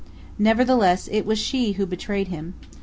Nevertheless it was she who betrayed him.